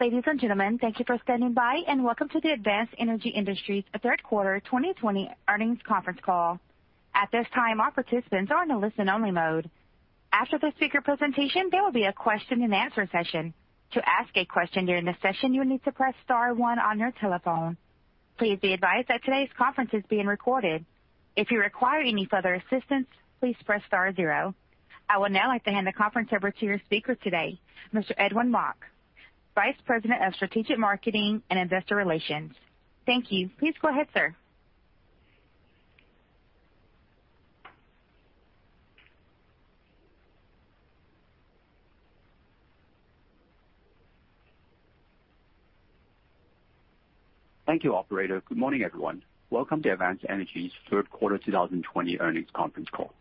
Ladies and gentlemen, thank you for standing by, and welcome to the Advanced Energy Industry third quarter 2020 earnings conference call. At this time, in listen-only mode. After the speaker presentation, there would be a question-and-answer session. To ask a question here in the session you need to press star one on your telephone. Please be advise that today' conference is being recorded. If you require any further assistance, please press star zero. I would now like to hand the conference over to your speaker today, Mr. Edwin Mok, Vice President of Strategic Marketing and Investor Relations. Thank you. Please go ahead, sir. Thank you, operator. Good morning, everyone. Welcome to Advanced Energy's third quarter 2020 earnings conference call.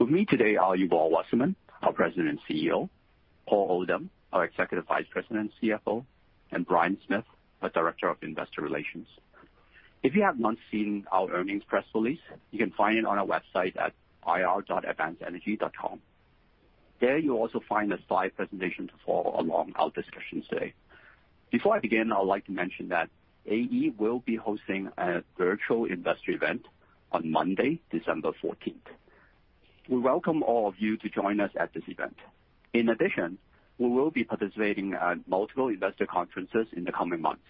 With me today are Yuval Wasserman, our President and CEO, Paul Oldham, our Executive Vice President and CFO, and Brian Smith, our Director of Investor Relations. If you have not seen our earnings press release, you can find it on our website at ir.advancedenergy.com. There you'll also find a slide presentation to follow along our discussion today. Before I begin, I would like to mention that AE will be hosting a virtual investor event on Monday, December 14th. We welcome all of you to join us at this event. In addition, we will be participating at multiple investor conferences in the coming months.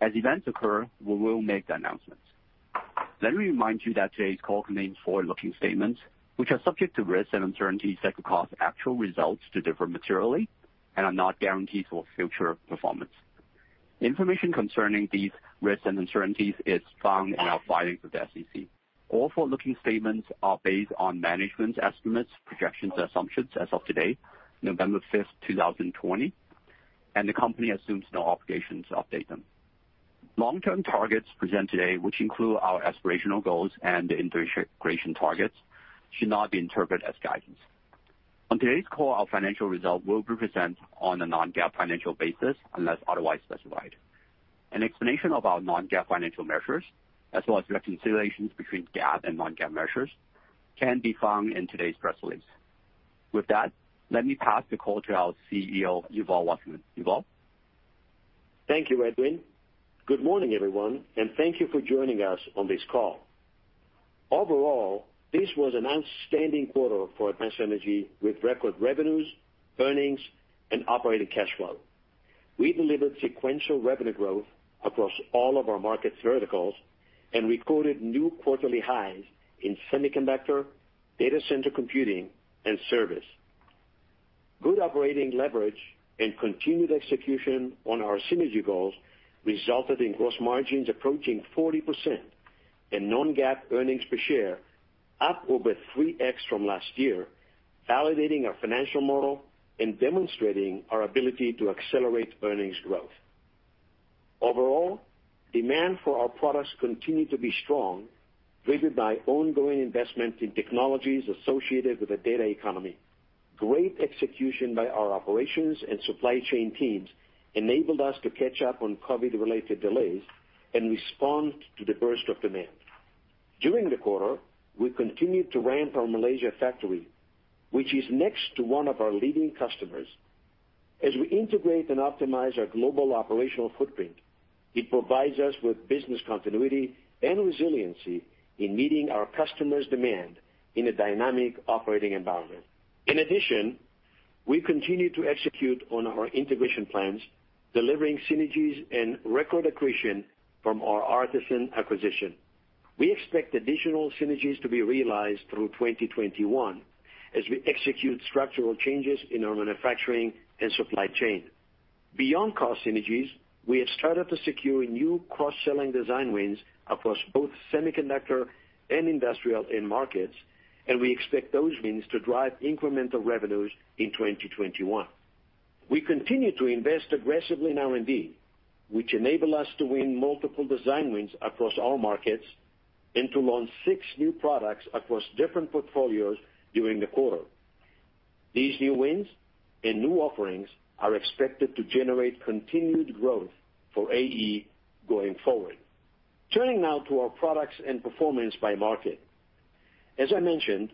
As events occur, we will make the announcements. Let me remind you that today's call contains forward-looking statements, which are subject to risks and uncertainties that could cause actual results to differ materially and are not guarantees of future performance. Information concerning these risks and uncertainties is found in our filings with the SEC. All forward-looking statements are based on management estimates, projections, and assumptions as of today, November 5th, 2020, and the company assumes no obligation to update them. Long-term targets presented today, which include our aspirational goals and integration targets, should not be interpreted as guidance. On today's call, our financial results will be presented on a non-GAAP financial basis, unless otherwise specified. An explanation of our non-GAAP financial measures, as well as reconciliations between GAAP and non-GAAP measures, can be found in today's press release. With that, let me pass the call to our CEO, Yuval Wasserman. Yuval? Thank you, Edwin. Good morning, everyone, and thank you for joining us on this call. Overall, this was an outstanding quarter for Advanced Energy, with record revenues, earnings, and operating cash flow. We delivered sequential revenue growth across all of our market verticals and recorded new quarterly highs in semiconductor, data center computing, and service. Good operating leverage and continued execution on our synergy goals resulted in gross margins approaching 40%, and non-GAAP earnings per share up over 3x from last year, validating our financial model and demonstrating our ability to accelerate earnings growth. Overall, demand for our products continued to be strong, driven by ongoing investment in technologies associated with the data economy. Great execution by our operations and supply chain teams enabled us to catch up on COVID-related delays and respond to the burst of demand. During the quarter, we continued to ramp our Malaysia factory, which is next to one of our leading customers. As we integrate and optimize our global operational footprint, it provides us with business continuity and resiliency in meeting our customers' demand in a dynamic operating environment. In addition, we continue to execute on our integration plans, delivering synergies and record accretion from our Artesyn acquisition. We expect additional synergies to be realized through 2021 as we execute structural changes in our manufacturing and supply chain. Beyond cost synergies, we have started to secure new cross-selling design wins across both semiconductor and industrial end markets, and we expect those wins to drive incremental revenues in 2021. We continue to invest aggressively in R&D, which enable us to win multiple design wins across all markets and to launch six new products across different portfolios during the quarter. These new wins and new offerings are expected to generate continued growth for AE going forward. Turning now to our products and performance by market. As I mentioned,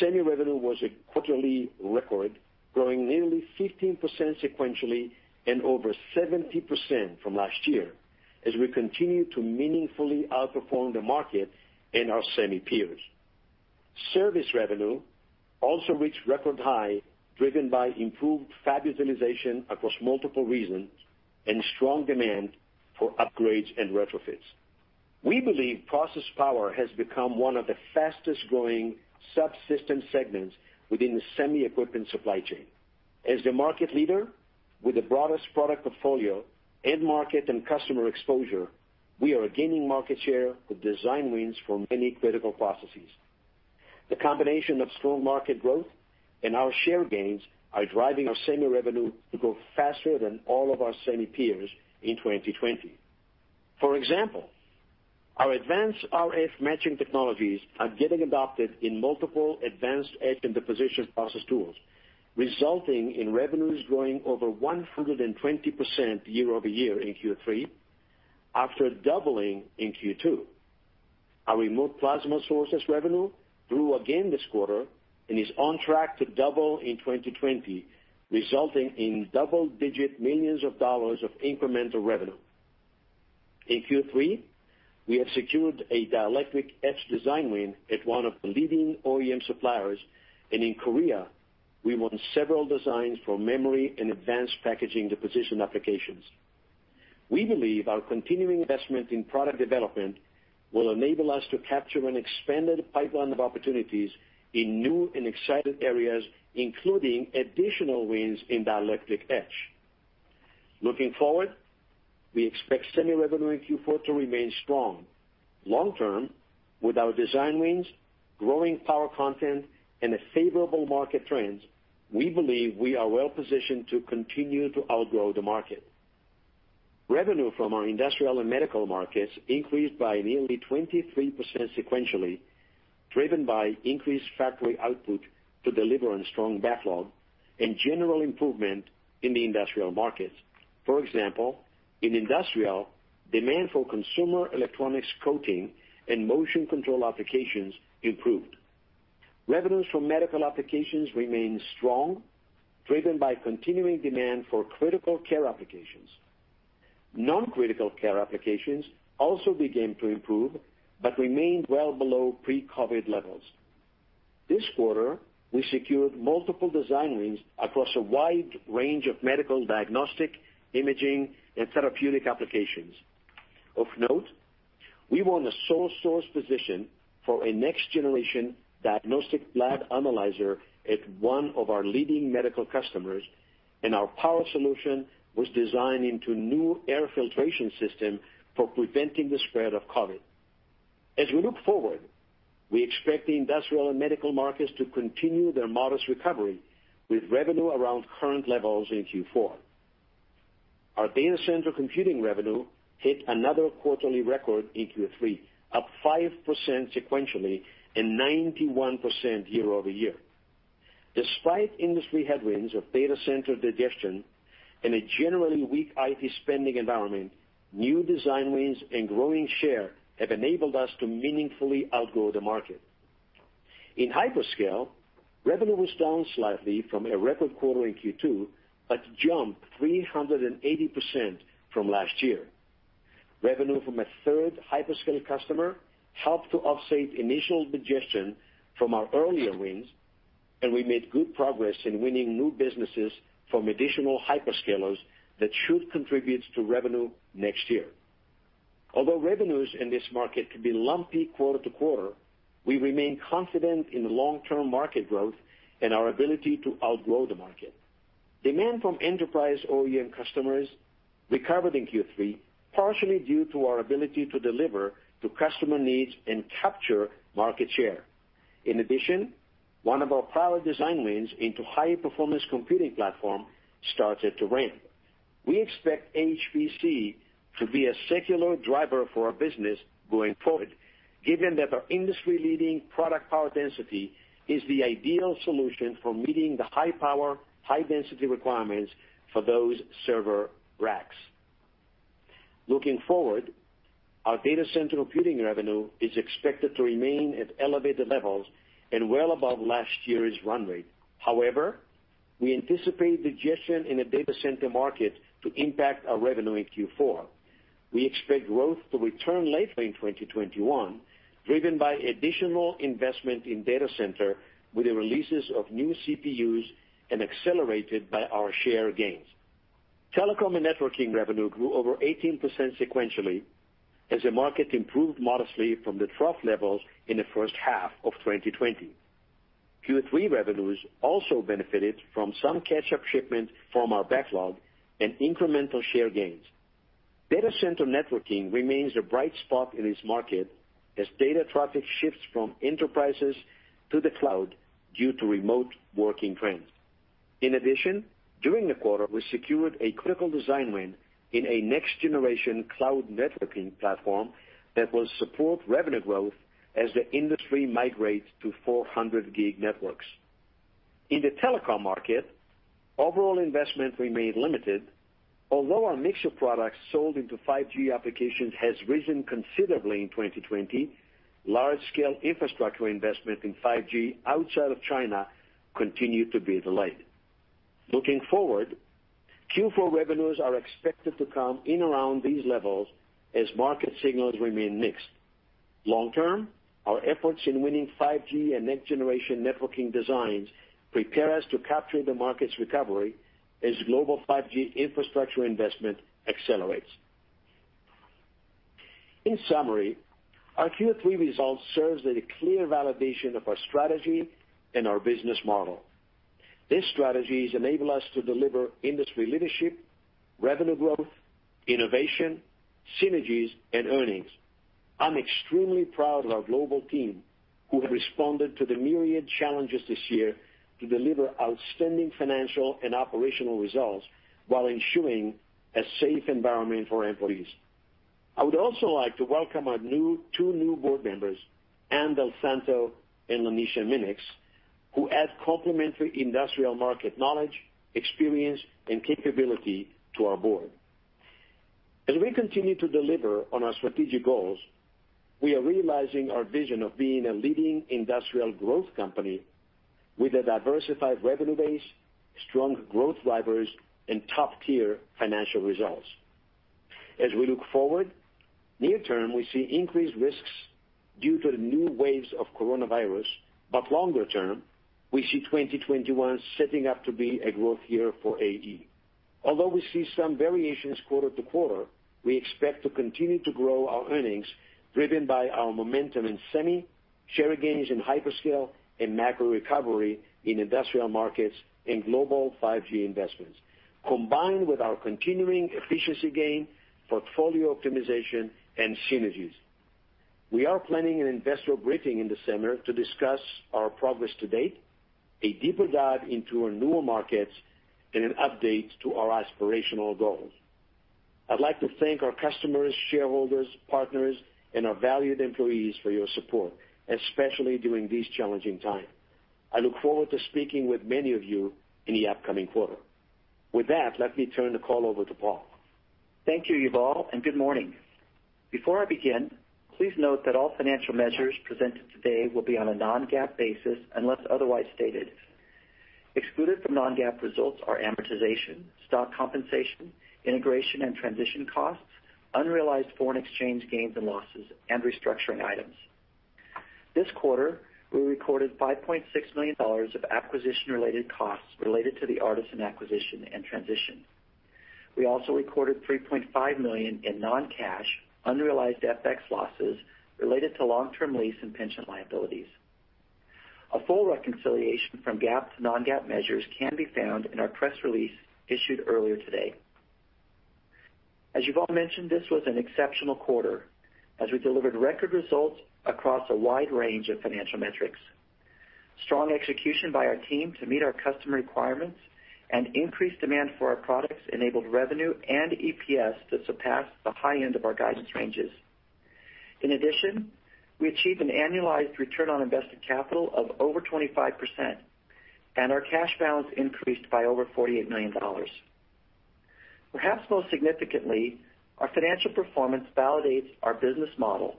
semi revenue was a quarterly record, growing nearly 15% sequentially and over 70% from last year as we continue to meaningfully outperform the market and our semi peers. Service revenue also reached record high, driven by improved fab utilization across multiple regions and strong demand for upgrades and retrofits. We believe process power has become one of the fastest-growing subsystem segments within the semi equipment supply chain. As the market leader with the broadest product portfolio, end market, and customer exposure, we are gaining market share with design wins for many critical processes. The combination of strong market growth and our share gains are driving our semi revenue to grow faster than all of our semi peers in 2020. For example, our advanced RF matching technologies are getting adopted in multiple advanced etch and deposition process tools, resulting in revenues growing over 120% year-over-year in Q3 after doubling in Q2. Our remote plasma sources revenue grew again this quarter and is on track to double in 2020, resulting in double-digit millions of dollars of incremental revenue. In Q3, we have secured a dielectric etch design win at one of the leading OEM suppliers, and in Korea, we won several designs for memory and advanced packaging deposition applications. We believe our continuing investment in product development will enable us to capture an expanded pipeline of opportunities in new and exciting areas, including additional wins in dielectric etch. Looking forward, we expect semi revenue in Q4 to remain strong. Long term, with our design wins, growing power content, and the favorable market trends, we believe we are well positioned to continue to outgrow the market. Revenue from our industrial and medical markets increased by nearly 23% sequentially, driven by increased factory output to deliver on strong backlog and general improvement in the industrial markets. For example, in industrial, demand for consumer electronics coating and motion control applications improved. Revenues from medical applications remained strong, driven by continuing demand for critical care applications. Non-critical care applications also began to improve but remained well below pre-COVID levels. This quarter, we secured multiple design wins across a wide range of medical diagnostic, imaging, and therapeutic applications. Of note, we won a sole source position for a next-generation diagnostic lab analyzer at one of our leading medical customers, and our power solution was designed into a new air filtration system for preventing the spread of COVID-19. As we look forward, we expect the industrial and medical markets to continue their modest recovery, with revenue around current levels in Q4. Our data center computing revenue hit another quarterly record in Q3, up 5% sequentially and 91% year-over-year. Despite industry headwinds of data center digestion and a generally weak IT spending environment, new design wins and growing share have enabled us to meaningfully outgrow the market. In hyperscale, revenue was down slightly from a record quarter in Q2, but jumped 380% from last year. Revenue from a third hyperscale customer helped to offset initial digestion from our earlier wins, and we made good progress in winning new businesses from additional hyperscalers that should contribute to revenue next year. Although revenues in this market can be lumpy quarter to quarter, we remain confident in the long-term market growth and our ability to outgrow the market. Demand from enterprise OEM customers recovered in Q3, partially due to our ability to deliver to customer needs and capture market share. In addition, one of our power design wins into high-performance computing platform started to ramp. We expect [HPC] to be a secular driver for our business going forward, given that our industry-leading product power density is the ideal solution for meeting the high-power, high-density requirements for those server racks. Looking forward, our data center computing revenue is expected to remain at elevated levels and well above last year's run rate. However, we anticipate digestion in the data center market to impact our revenue in Q4. We expect growth to return later in 2021, driven by additional investment in data center with the releases of new CPUs and accelerated by our share gains. Telecom and networking revenue grew over 18% sequentially as the market improved modestly from the trough levels in the first half of 2020. Q3 revenues also benefited from some catch-up shipment from our backlog and incremental share gains. Data center networking remains a bright spot in this market as data traffic shifts from enterprises to the cloud due to remote working trends. In addition, during the quarter, we secured a critical design win in a next-generation cloud networking platform that will support revenue growth as the industry migrates to 400-gig networks. In the telecom market, overall investment remained limited. Although our mix of products sold into 5G applications has risen considerably in 2020, large-scale infrastructure investment in 5G outside of China continued to be delayed. Looking forward, Q4 revenues are expected to come in around these levels as market signals remain mixed. Long term, our efforts in winning 5G and next-generation networking designs prepare us to capture the market's recovery as global 5G infrastructure investment accelerates. In summary, our Q3 results serves as a clear validation of our strategy and our business model. These strategies enable us to deliver industry leadership, revenue growth, innovation, synergies, and earnings. I'm extremely proud of our global team, who have responded to the myriad challenges this year to deliver outstanding financial and operational results while ensuring a safe environment for employees. I would also like to welcome our two new board members, Anne DelSanto and Lanesha Minnix, who add complementary industrial market knowledge, experience, and capability to our board. As we continue to deliver on our strategic goals, we are realizing our vision of being a leading industrial growth company with a diversified revenue base, strong growth levers, and top-tier financial results. As we look forward, near-term, we see increased risks due to the new waves of coronavirus, but longer-term, we see 2021 setting up to be a growth year for AE. Although we see some variations quarter to quarter, we expect to continue to grow our earnings, driven by our momentum in semi, share gains in hyperscale, and macro recovery in industrial markets in global 5G investments, combined with our continuing efficiency gain, portfolio optimization, and synergies. We are planning an investor briefing in December to discuss our progress to date, a deeper dive into our newer markets, and an update to our aspirational goals. I'd like to thank our customers, shareholders, partners, and our valued employees for your support, especially during these challenging times. I look forward to speaking with many of you in the upcoming quarter. With that, let me turn the call over to Paul. Thank you, Yuval, and good morning. Before I begin, please note that all financial measures presented today will be on a non-GAAP basis unless otherwise stated. Excluded from non-GAAP results are amortization, stock compensation, integration and transition costs, unrealized foreign exchange gains and losses, and restructuring items. This quarter, we recorded $5.6 million of acquisition-related costs related to the Artesyn acquisition and transition. We also recorded $3.5 million in non-cash unrealized FX losses related to long-term lease and pension liabilities. A full reconciliation from GAAP to non-GAAP measures can be found in our press release issued earlier today. As Yuval mentioned, this was an exceptional quarter, as we delivered record results across a wide range of financial metrics. Strong execution by our team to meet our customer requirements and increased demand for our products enabled revenue and EPS to surpass the high end of our guidance ranges. In addition, we achieved an annualized return on invested capital of over 25%, and our cash balance increased by over $48 million. Perhaps most significantly, our financial performance validates our business model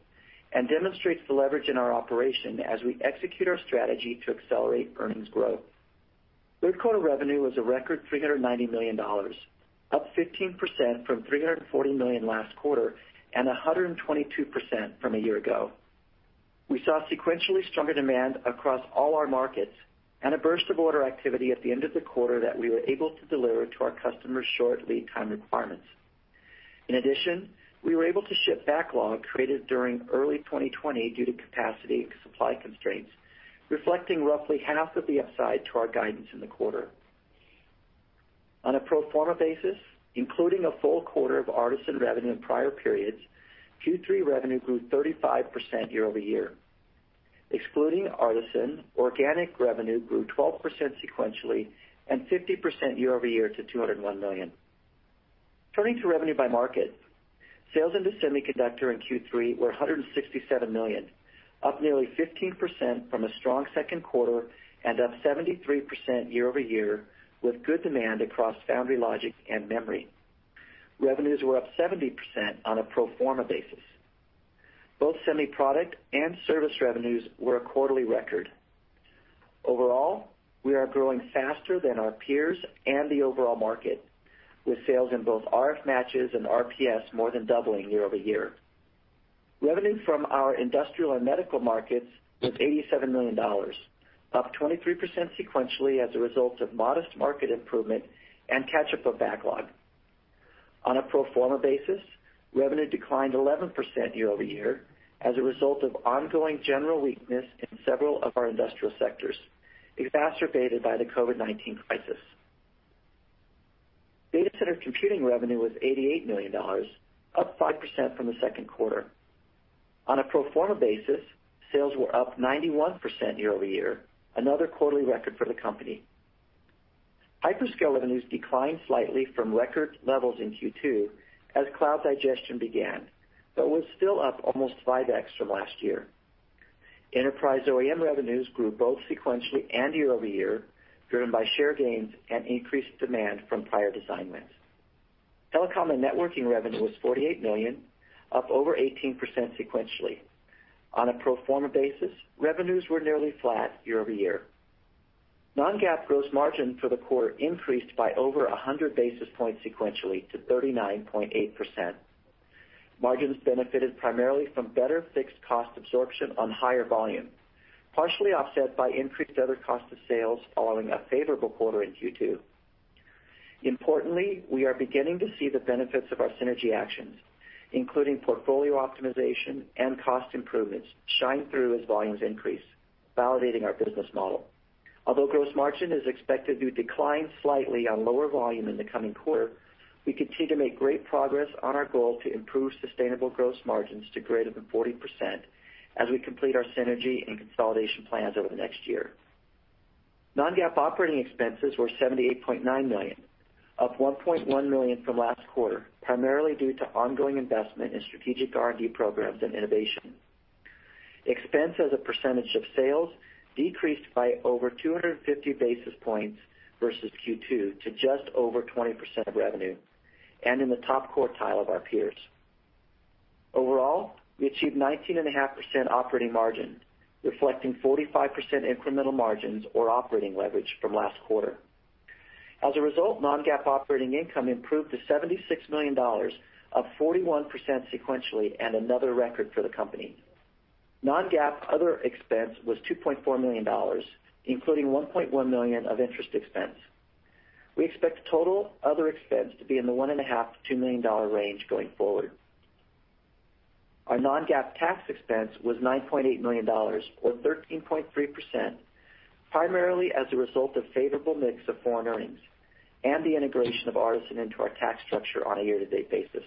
and demonstrates the leverage in our operation as we execute our strategy to accelerate earnings growth. Third quarter revenue was a record $390 million, up 15% from $340 million last quarter, and 122% from a year ago. We saw sequentially stronger demand across all our markets and a burst of order activity at the end of the quarter that we were able to deliver to our customers' short lead time requirements. In addition, we were able to ship backlog created during early 2020 due to capacity and supply constraints, reflecting roughly half of the upside to our guidance in the quarter. On a pro forma basis, including a full quarter of Artesyn revenue in prior periods, Q3 revenue grew 35% year-over-year. Excluding Artesyn, organic revenue grew 12% sequentially and 50% year-over-year to $201 million. Turning to revenue by market, sales into semiconductor in Q3 were $167 million, up nearly 15% from a strong second quarter and up 73% year-over-year, with good demand across foundry, logic, and memory. Revenues were up 70% on a pro forma basis. Both semi product and service revenues were a quarterly record. Overall, we are growing faster than our peers and the overall market, with sales in both RF matches and RPS more than doubling year-over-year. Revenue from our industrial and medical markets was $87 million, up 23% sequentially as a result of modest market improvement and catch-up of backlog. On a pro forma basis, revenue declined 11% year-over-year as a result of ongoing general weakness in several of our industrial sectors, exacerbated by the COVID-19 crisis. Data center computing revenue was $88 million, up 5% from the second quarter. On a pro forma basis, sales were up 91% year-over-year, another quarterly record for the company. Hyperscale revenues declined slightly from record levels in Q2 as cloud digestion began but was still up almost 5x from last year. Enterprise OEM revenues grew both sequentially and year-over-year, driven by share gains and increased demand from prior design wins. Telecom and networking revenue was $48 million, up over 18% sequentially. On a pro forma basis, revenues were nearly flat year-over-year. non-GAAP gross margin for the quarter increased by over 100 basis points sequentially to 39.8%. Margins benefited primarily from better fixed cost absorption on higher volume, partially offset by increased other cost of sales following a favorable quarter in Q2. Importantly, we are beginning to see the benefits of our synergy actions, including portfolio optimization and cost improvements shine through as volumes increase, validating our business model. Although gross margin is expected to decline slightly on lower volume in the coming quarter, we continue to make great progress on our goal to improve sustainable gross margins to greater than 40% as we complete our synergy and consolidation plans over the next year. Non-GAAP operating expenses were $78.9 million. Up $1.1 million from last quarter, primarily due to ongoing investment in strategic R&D programs and innovation. Expense as a percentage of sales decreased by over 250 basis points versus Q2 to just over 20% of revenue, and in the top quartile of our peers. Overall, we achieved 19.5% operating margin, reflecting 45% incremental margins or operating leverage from last quarter. As a result, non-GAAP operating income improved to $76 million, up 41% sequentially and another record for the company. Non-GAAP other expense was $2.4 million, including $1.1 million of interest expense. We expect total other expense to be in the $1.5 million-$2 million range going forward. Our non-GAAP tax expense was $9.8 million or 13.3%, primarily as a result of favorable mix of foreign earnings and the integration of Artesyn into our tax structure on a year-to-date basis.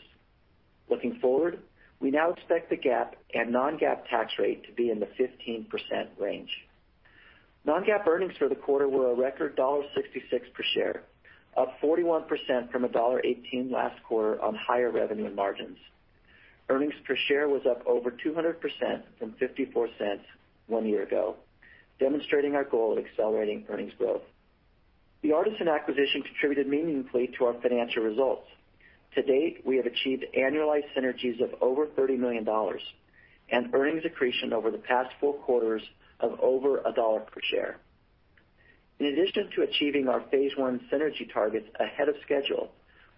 Looking forward, we now expect the GAAP and non-GAAP tax rate to be in the 15% range. Non-GAAP earnings for the quarter were a record $1.66 per share, up 41% from $1.18 last quarter on higher revenue and margins. Earnings per share was up over 200% from $0.54 one year ago, demonstrating our goal of accelerating earnings growth. The Artesyn acquisition contributed meaningfully to our financial results. To date, we have achieved annualized synergies of over $30 million and earnings accretion over the past four quarters of over $1 per share. In addition to achieving our Phase One synergy targets ahead of schedule,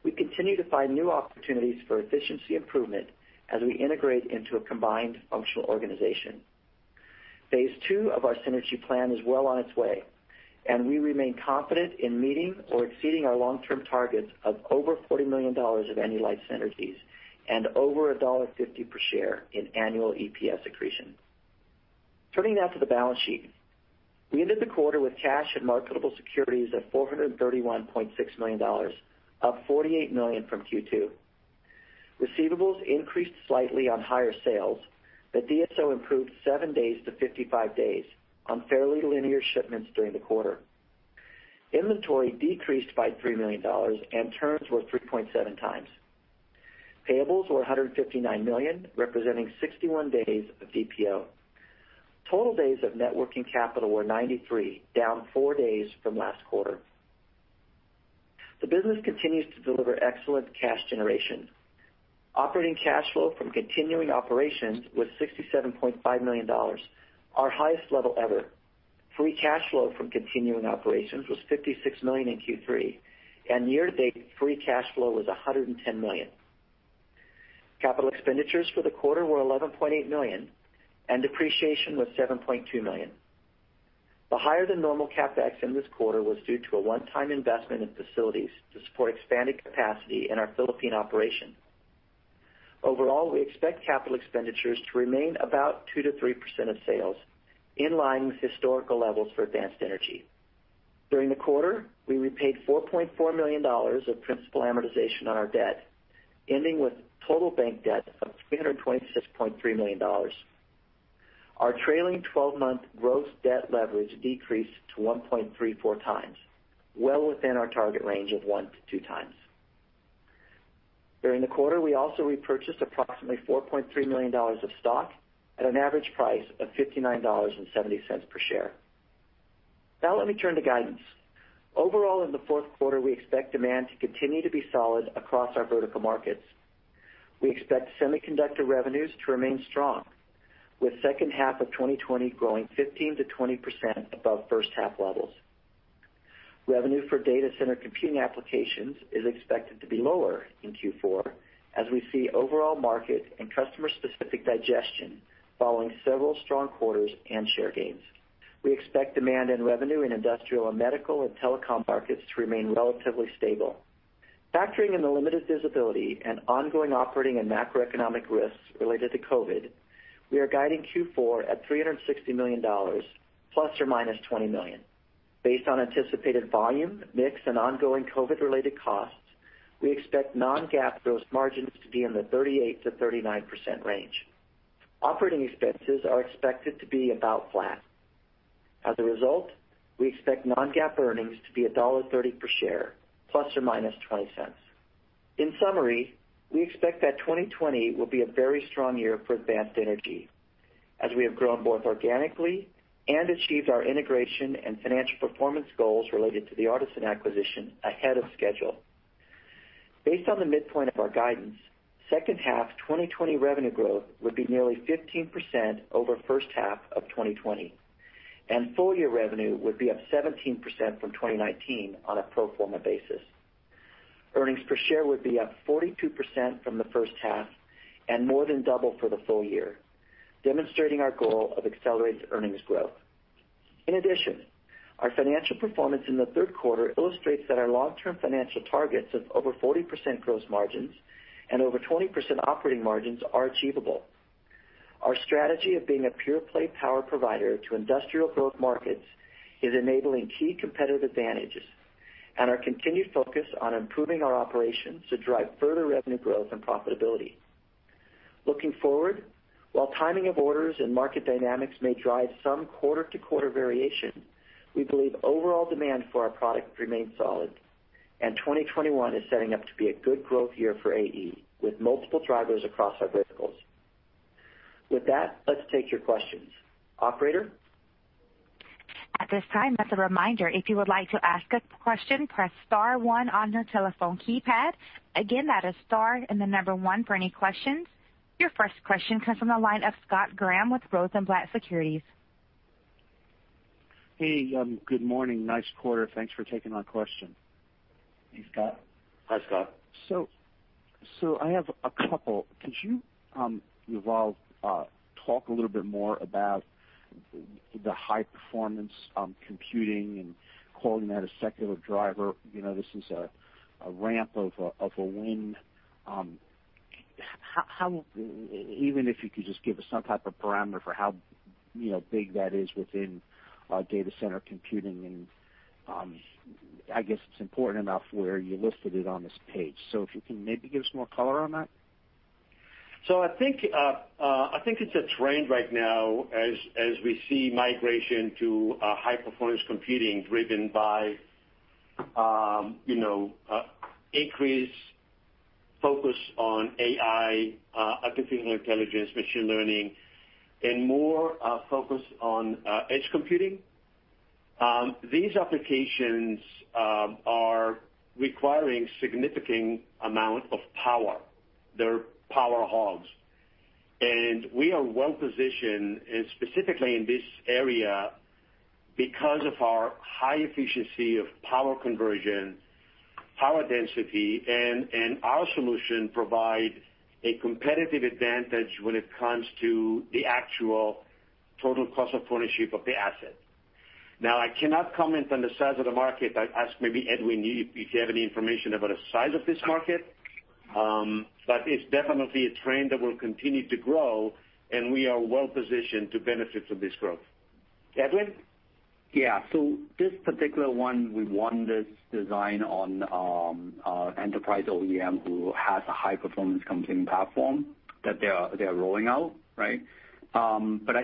we continue to find new opportunities for efficiency improvement as we integrate into a combined functional organization. Phase Two of our synergy plan is well on its way, and we remain confident in meeting or exceeding our long-term targets of over $40 million of annualized synergies and over $1.50 per share in annual EPS accretion. Turning now to the balance sheet. We ended the quarter with cash and marketable securities of $431.6 million, up $48 million from Q2. Receivables increased slightly on higher sales, but DSO improved 7 days to 55 days on fairly linear shipments during the quarter. Inventory decreased by $3 million. Turns were 3.7x. Payables were $159 million, representing 61 days of DPO. Total days of net working capital were 93, down 4 days from last quarter. The business continues to deliver excellent cash generation. Operating cash flow from continuing operations was $67.5 million, our highest level ever. Free cash flow from continuing operations was $56 million in Q3. Year-to-date, free cash flow was $110 million. Capital expenditures for the quarter were $11.8 million. Depreciation was $7.2 million. The higher-than-normal CapEx in this quarter was due to a one-time investment in facilities to support expanded capacity in our Philippine operation. Overall, we expect capital expenditures to remain about 2%-3% of sales, in line with historical levels for Advanced Energy. During the quarter, we repaid $4.4 million of principal amortization on our debt, ending with total bank debt of $326.3 million. Our trailing 12-month gross debt leverage decreased to 1.34x, well within our target range of one to two times. During the quarter, we also repurchased approximately $4.3 million of stock at an average price of $59.70 per share. Let me turn to guidance. Overall, in the fourth quarter, we expect demand to continue to be solid across our vertical markets. We expect semiconductor revenues to remain strong, with second half of 2020 growing 15%-20% above first half levels. Revenue for data center computing applications is expected to be lower in Q4 as we see overall market and customer-specific digestion following several strong quarters and share gains. We expect demand in revenue in industrial and medical and telecom markets to remain relatively stable. Factoring in the limited visibility and ongoing operating and macroeconomic risks related to COVID, we are guiding Q4 at $360 million, ± $20 million. Based on anticipated volume, mix, and ongoing COVID-related costs, we expect non-GAAP gross margins to be in the 38%-39% range. Operating expenses are expected to be about flat. As a result, we expect non-GAAP earnings to be $1.30 per share ± $0.20. In summary, we expect that 2020 will be a very strong year for Advanced Energy, as we have grown both organically and achieved our integration and financial performance goals related to the Artesyn acquisition ahead of schedule. Based on the midpoint of our guidance, second half 2020 revenue growth would be nearly 15% over first half of 2020, and full-year revenue would be up 17% from 2019 on a pro forma basis. Earnings per share would be up 42% from the first half and more than double for the full year, demonstrating our goal of accelerated earnings growth. In addition, our financial performance in the third quarter illustrates that our long-term financial targets of over 40% gross margins and over 20% operating margins are achievable. Our strategy of being a pure-play power provider to industrial growth markets is enabling key competitive advantages, and our continued focus on improving our operations to drive further revenue growth and profitability. Looking forward, while timing of orders and market dynamics may drive some quarter-to-quarter variation, we believe overall demand for our product remains solid, and 2021 is setting up to be a good growth year for AE, with multiple drivers across our verticals. With that, let's take your questions. Operator? At this time, as a reminder, if you would like to ask a question, press star one on your telephone keypad. Again, that is star and the number one for any questions. Your first question comes from the line of Scott Graham with Rosenblatt Securities. Hey, good morning. Nice quarter. Thanks for taking my question. Hey, Scott. Hi, Scott. I have a couple. Could you, Yuval, talk a little bit more about the high-performance computing and calling that a secular driver? This is a ramp of a win. Even if you could just give us some type of parameter for how big that is within data center computing, and I guess it's important enough where you listed it on this page. If you can maybe give us more color on that? I think it's a trend right now as we see migration to high performance computing driven by increased focus on AI, artificial intelligence, machine learning, and more focus on edge computing. These applications are requiring significant amount of power. They're power hogs. We are well-positioned, and specifically in this area, because of our high efficiency of power conversion, power density, and our solution provide a competitive advantage when it comes to the actual total cost of ownership of the asset. Now, I cannot comment on the size of the market. I'd ask maybe Edwin, if you have any information about the size of this market. It's definitely a trend that will continue to grow, and we are well-positioned to benefit from this growth. Edwin? This particular one, we won this design on enterprise OEM, who has a high-performance computing platform that they're rolling out. I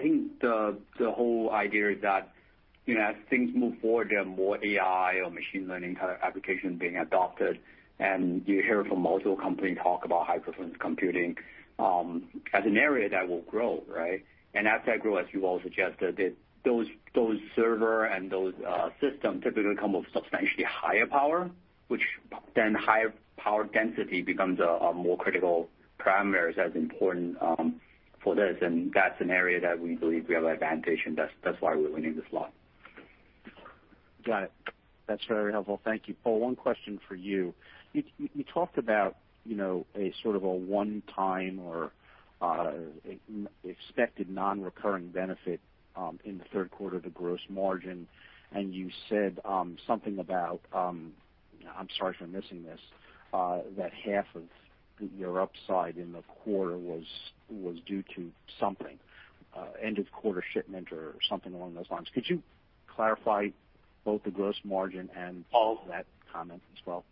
think the whole idea is that as things move forward, there are more AI or machine learning kind of application being adopted, and you hear from multiple companies talk about high-performance computing, as an area that will grow. As that grows, as Yuval suggested, those server and those systems typically come with substantially higher power, which then higher power density becomes a more critical parameters that's important for this, and that's an area that we believe we have advantage, and that's why we're winning this lot. Got it. That's very helpful. Thank you. Paul, one question for you. You talked about a sort of a one-time or expected non-recurring benefit in the third quarter, the gross margin, and you said something about, I'm sorry for missing this, that half of your upside in the quarter was due to something, end of quarter shipment or something along those lines. Could you clarify both the gross margin and that comment as well?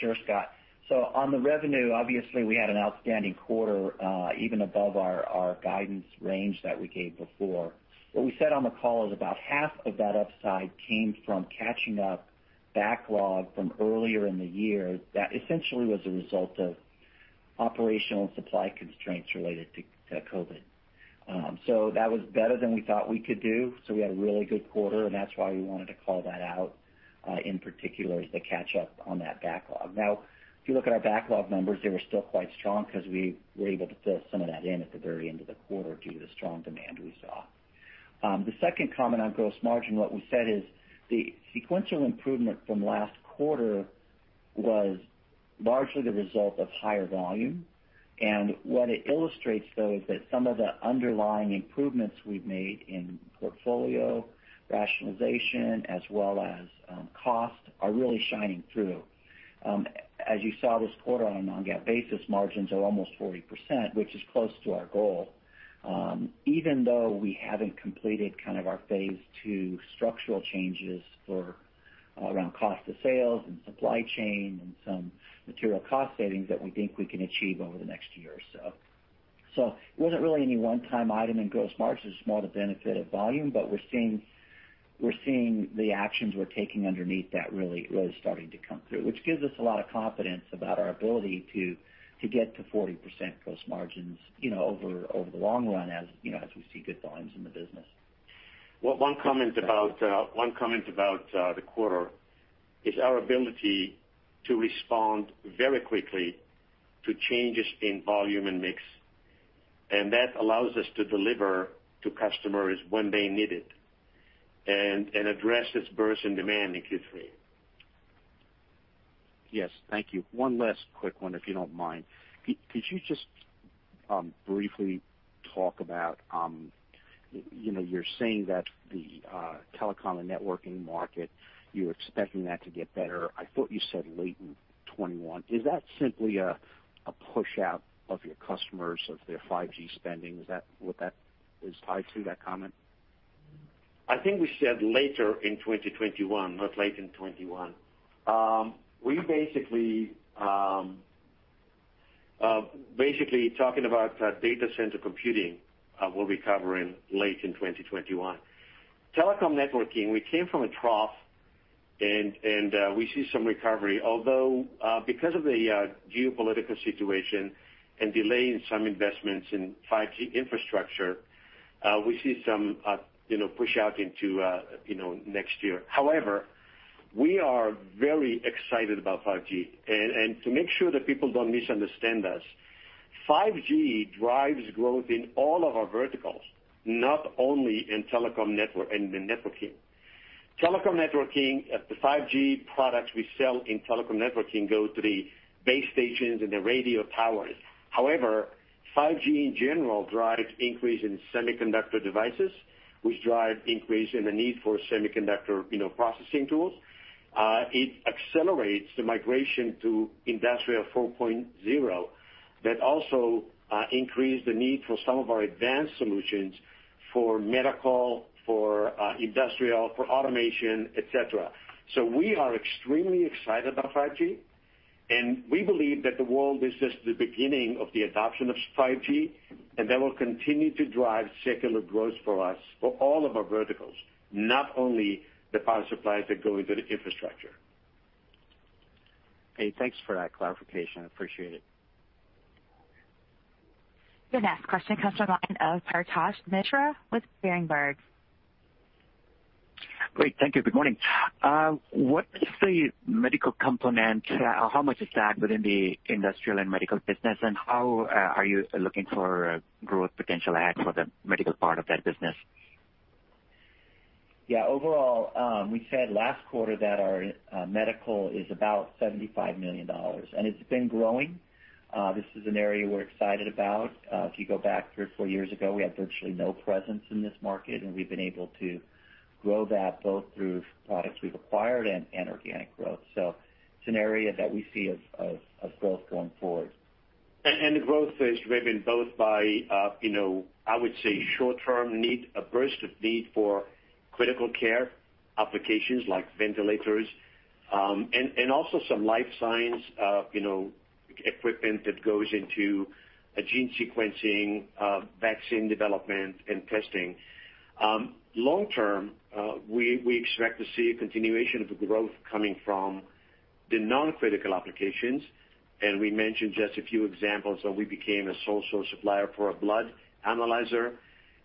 Sure, Scott. On the revenue, obviously, we had an outstanding quarter, even above our guidance range that we gave before. What we said on the call is about half of that upside came from catching up backlog from earlier in the year that essentially was a result of operational and supply constraints related to COVID. That was better than we thought we could do, so we had a really good quarter, and that's why we wanted to call that out, in particular, as the catch up on that backlog. If you look at our backlog numbers, they were still quite strong because we were able to fill some of that in at the very end of the quarter due to the strong demand we saw. The second comment on gross margin, what we said is the sequential improvement from last quarter was largely the result of higher volume. What it illustrates, though, is that some of the underlying improvements we've made in portfolio rationalization as well as cost are really shining through. As you saw this quarter on a non-GAAP basis, margins are almost 40%, which is close to our goal, even though we haven't completed kind of our phase two structural changes for around cost of sales and supply chain and some material cost savings that we think we can achieve over the next year or so. It wasn't really any one-time item in gross margins, it was more the benefit of volume, but we're seeing the actions we're taking underneath that really starting to come through, which gives us a lot of confidence about our ability to get to 40% gross margins over the long run as we see good volumes in the business. Well, one comment about the quarter is our ability to respond very quickly to changes in volume and mix, and that allows us to deliver to customers when they need it and address this burst in demand in Q3. Yes. Thank you. One last quick one, if you don't mind. Could you just briefly talk about, you're saying that the telecom and networking market, you're expecting that to get better, I thought you said late in 2021. Is that simply a push out of your customers, of their 5G spending? Is that what that is tied to, that comment? I think we said later in 2021, not late in 2021. We basically talking about data center computing, will recover in late in 2021. Telecom networking, we came from a trough, and we see some recovery. Because of the geopolitical situation and delay in some investments in 5G infrastructure, we see some push-out into next year. We are very excited about 5G. To make sure that people don't misunderstand us, 5G drives growth in all of our verticals, not only in telecom network and the networking. Telecom networking, the 5G products we sell in telecom networking go to the base stations and the radio towers. 5G in general drives increase in semiconductor devices, which drive increase in the need for semiconductor processing tools. It accelerates the migration to Industry 4.0. That also increase the need for some of our advanced solutions for medical, for industrial, for automation, et cetera. We are extremely excited about 5G, and we believe that the world is just the beginning of the adoption of 5G, and that will continue to drive secular growth for us, for all of our verticals, not only the power supplies that go into the infrastructure. Thanks for that clarification. I appreciate it. The next question comes from the line of Paretosh Misra with Berenberg. Great. Thank you. Good morning. What is the medical component? How much is that within the industrial and medical business, and how are you looking for growth potential ahead for the medical part of that business? Yeah. Overall, we said last quarter that our Medical is about $75 million, and it's been growing. This is an area we're excited about. If you go back three or four years ago, we had virtually no presence in this market, and we've been able to grow that both through products we've acquired and organic growth. It's an area that we see of growth going forward. The growth is driven both by, I would say, short-term need, a burst of need for critical care applications like ventilators, and also some life sciences equipment that goes into gene sequencing, vaccine development, and testing. Long-term, we expect to see a continuation of the growth coming from the non-critical applications, and we mentioned just a few examples of we became a sole source supplier for a blood analyzer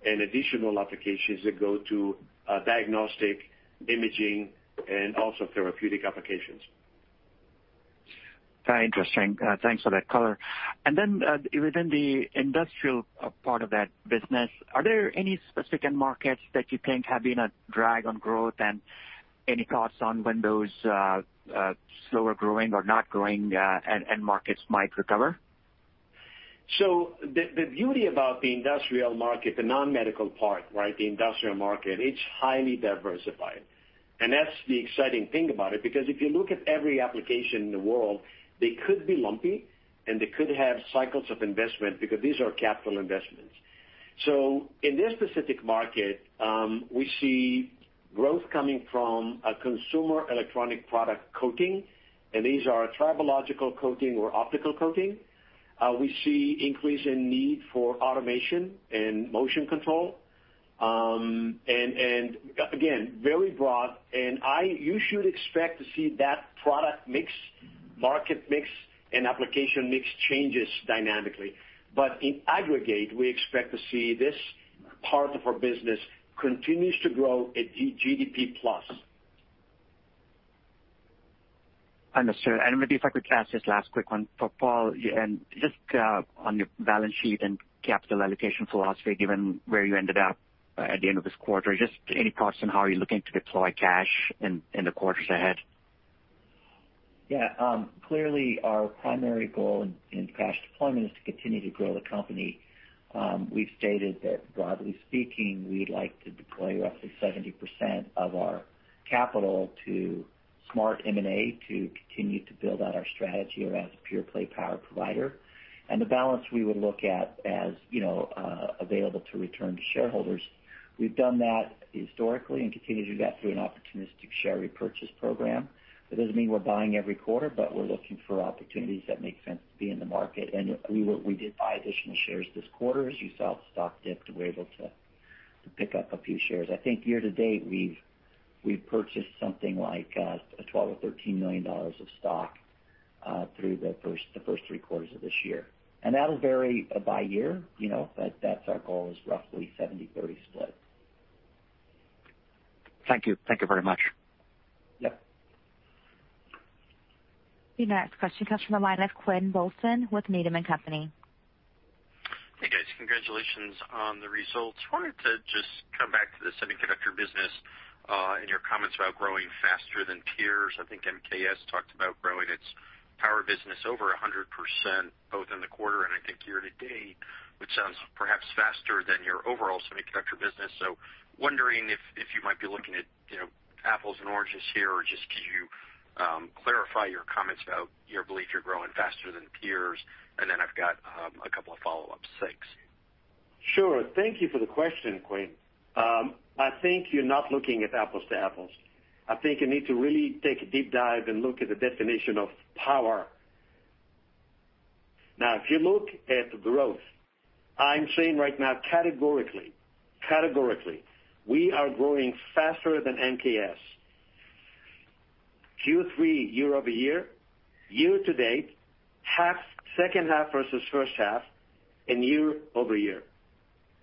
and additional applications that go to diagnostic imaging and also therapeutic applications. Very interesting. Thanks for that color. Within the industrial part of that business, are there any specific end markets that you think have been a drag on growth and any thoughts on when those slower growing or not growing end markets might recover? The beauty about the industrial market, the non-medical part, right? The industrial market, it's highly diversified. That's the exciting thing about it, because if you look at every application in the world, they could be lumpy, and they could have cycles of investment because these are capital investments. In this specific market, we see growth coming from a consumer electronic product coating, and these are tribological coating or optical coating. We see increase in need for automation and motion control. Again, very broad, and you should expect to see that product mix, market mix, and application mix changes dynamically. In aggregate, we expect to see this part of our business continues to grow at GDP plus. Understood. Maybe if I could ask this last quick one for Paul, just on your balance sheet and capital allocation philosophy, given where you ended up at the end of this quarter, just any thoughts on how you're looking to deploy cash in the quarters ahead? Yeah. Clearly, our primary goal in cash deployment is to continue to grow the company. We've stated that broadly speaking, we'd like to deploy roughly 70% of our capital to smart M&A to continue to build out our strategy around pure play power provider. The balance we would look at as available to return to shareholders. We've done that historically and continue to do that through an opportunistic share repurchase program. That doesn't mean we're buying every quarter, but we're looking for opportunities that make sense to be in the market. We did buy additional shares this quarter. As you saw, the stock dipped, we were able to pick up a few shares. I think year to date, we've purchased something like $12 million or $13 million of stock, through the first three quarters of this year. That'll vary by year, but that's our goal, is roughly 70/30 split. Thank you. Thank you very much. Yep. The next question comes from the line of Quinn Bolton with Needham & Company. Hey, guys. Congratulations on the results. I wanted to just come back to the semiconductor business, and your comments about growing faster than peers. I think MKS talked about growing its power business over 100%, both in the quarter and I think year to date, which sounds perhaps faster than your overall semiconductor business. Wondering if you might be looking at apples and oranges here, or just can you clarify your comments about your belief you're growing faster than peers? Sure. Thank you for the question, Quinn. I think you're not looking at apples to apples. I think you need to really take a deep dive and look at the definition of power. I'm saying right now categorically, we are growing faster than MKS, Q3 year-over-year, year-to-date, second half versus first half, and year-over-year.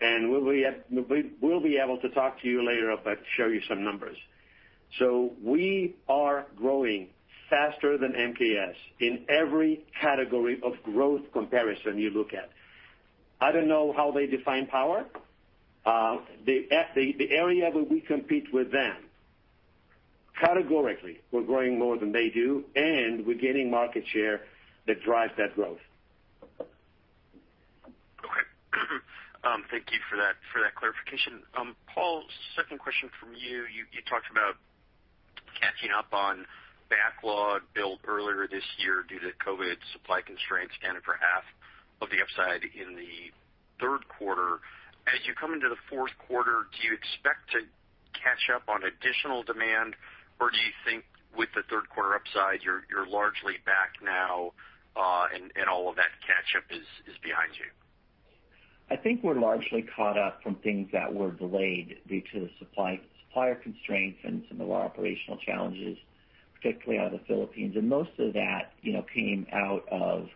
We'll be able to talk to you later about to show you some numbers. We are growing faster than MKS in every category of growth comparison you look at. I don't know how they define power. The area where we compete with them, categorically, we're growing more than they do, and we're gaining market share that drives that growth. Okay. Thank you for that clarification. Paul, second question from you. You talked about catching up on backlog build earlier this year due to COVID supply constraints accounting for half of the upside in the third quarter. As you come into the fourth quarter, do you expect to catch up on additional demand, or do you think with the third quarter upside, you're largely back now, and all of that catch-up is behind you? I think we're largely caught up from things that were delayed due to the supplier constraints and some of our operational challenges, particularly out of the Philippines. Most of that came out of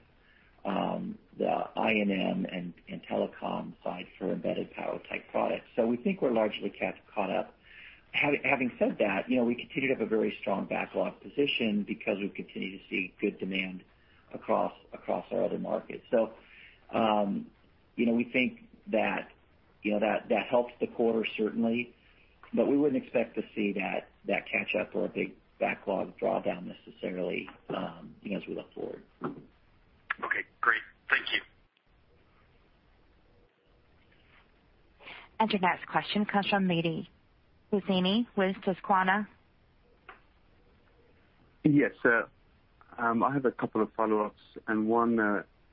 the I&M and telecom side for embedded power type products. We think we're largely caught up. Having said that, we continue to have a very strong backlog position because we continue to see good demand across our other markets. We think that helped the quarter certainly. We wouldn't expect to see that catch-up or a big backlog drawdown necessarily as we look forward. Okay, great. Thank you. Your next question comes from Mehdi Hosseini with Susquehanna. I have a couple of follow-ups and one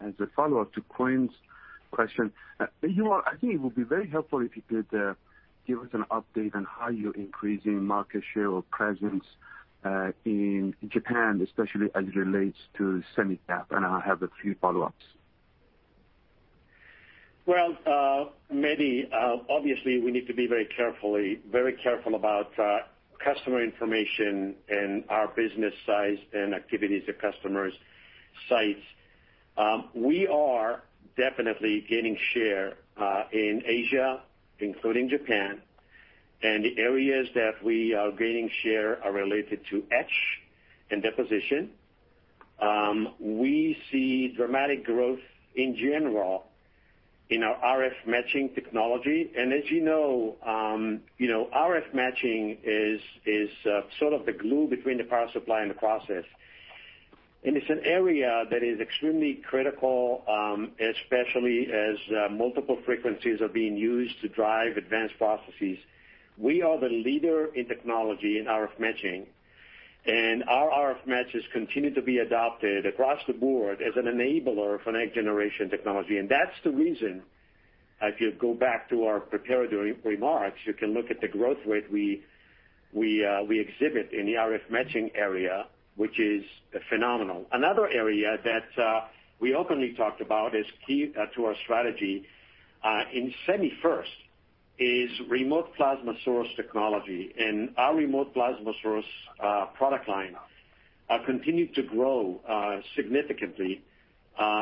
as a follow-up to Quinn's question. Yuval, I think it would be very helpful if you could give us an update on how you're increasing market share or presence in Japan, especially as it relates to semi cap, and I have a few follow-ups. Well, Mehdi, obviously we need to be very careful about customer information and our business size and activities at customers' sites. We are definitely gaining share in Asia, including Japan, and the areas that we are gaining share are related to etch and deposition. We see dramatic growth in general in our RF matching technology. As you know, RF matching is sort of the glue between the power supply and the process. It's an area that is extremely critical, especially as multiple frequencies are being used to drive advanced processes. We are the leader in technology in RF matching, and our RF matches continue to be adopted across the board as an enabler for next-generation technology. That's the reason, if you go back to our prepared remarks, you can look at the growth rate we exhibit in the RF matching area, which is phenomenal. Another area that we openly talked about is key to our strategy in semi first, is remote plasma source technology, and our remote plasma source product line continued to grow significantly.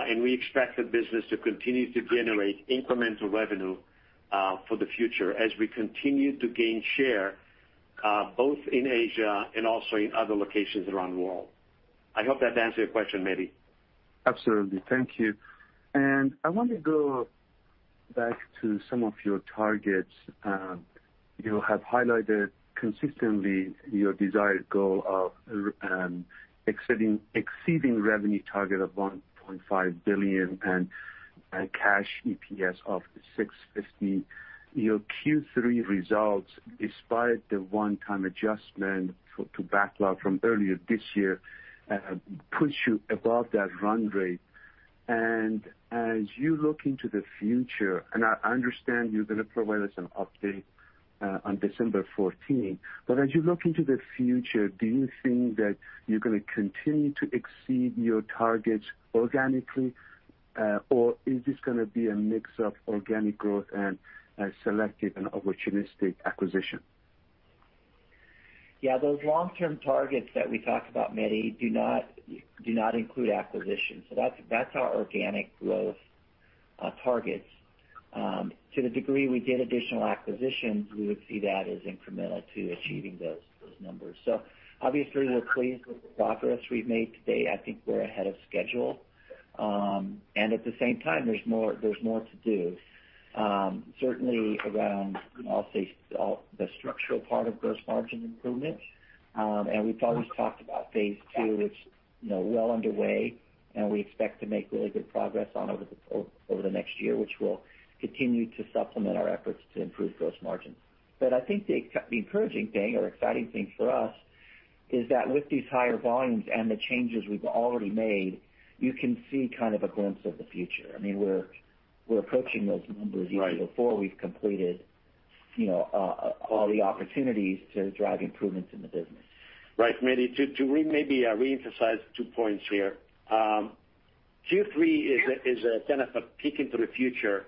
We expect the business to continue to generate incremental revenue for the future as we continue to gain share both in Asia and also in other locations around the world. I hope that answered your question, Mehdi. Absolutely. Thank you. I want to go back to some of your targets. You have highlighted consistently your desired goal of exceeding revenue target of $1.5 billion and cash EPS of $6.50. Your Q3 results, despite the one-time adjustment to backlog from earlier this year, put you above that run rate. As you look into the future, and I understand you're going to provide us an update on December 14, but as you look into the future, do you think that you're going to continue to exceed your targets organically? Or is this going to be a mix of organic growth and selective and opportunistic acquisition? Yeah, those long-term targets that we talked about, Mehdi, do not include acquisitions. That's our organic growth targets. To the degree we did additional acquisitions, we would see that as incremental to achieving those numbers. Obviously we're pleased with the progress we've made to date. I think we're ahead of schedule. At the same time, there's more to do. Certainly around, I'll say, the structural part of gross margin improvement. We've always talked about phase two, it's well underway, and we expect to make really good progress on over the next year, which continue to supplement our efforts to improve gross margin. I think the encouraging thing or exciting thing for us is that with these higher volumes and the changes we've already made, you can see kind of a glimpse of the future. We're approaching those number right before we've completed all the opportunities to drive improvements in the business. Right. Mehdi, to maybe re-emphasize two points here. Q3 is a kind of a peek into the future,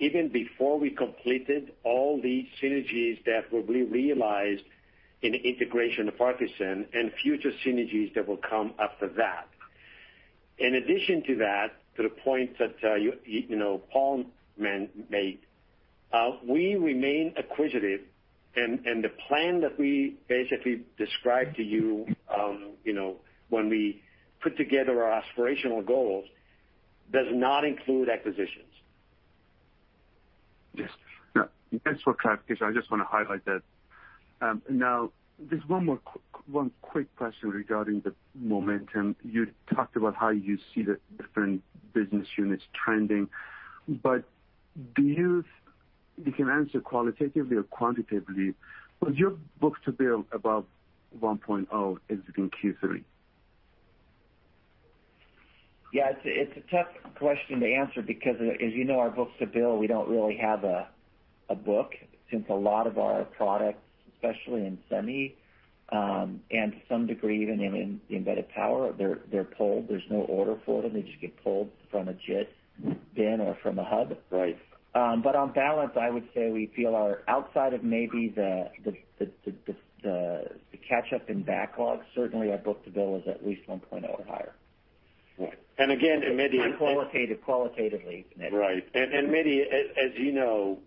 even before we completed all the synergies that will be realized in the integration of Artesyn and future synergies that will come after that. In addition to that, to the point that Paul made, we remain acquisitive, and the plan that we basically described to you when we put together our aspirational goals, does not include acquisitions. Yes. Thanks for clarification. I just want to highlight that. There's one more quick question regarding the momentum. You talked about how you see the different business units trending, you can answer qualitatively or quantitatively, was your book-to-bill above 1.0 exiting Q3? Yeah. It's a tough question to answer because, as you know, our book-to-bill, we don't really have a book, since a lot of our products, especially in semi, and to some degree, even in embedded power, they're pulled. There's no order for them. They just get pulled from a JIT bin or from a hub. On balance, I would say we feel our outside of maybe the catch up in backlog, certainly our book-to-bill is at least 1.0 or higher. Qualitatively. Right. Mehdi, as you know,